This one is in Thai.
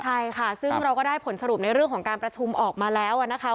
ใช่ค่ะซึ่งเราก็ได้ผลสรุปในเรื่องของการประชุมออกมาแล้วนะคะ